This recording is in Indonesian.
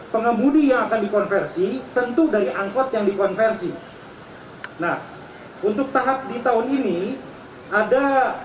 pengemudi yang akan dikonversi tentu dari angkot yang dikonversi nah untuk tahap di tahun ini ada